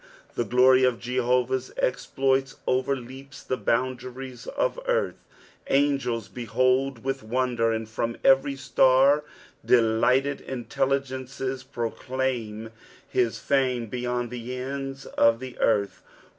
The glorj ot Jehovali's «xploiU orerleaps the boundariea of earth ; ungels behold nitli wonder, and from every ■tar delighted intellij^ucea pruclaim his fume beyond the enda of the earth.